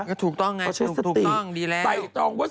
ก็ถูกต้องไงถูกต้องดีแล้วเขาใช้สติไตรตองว่า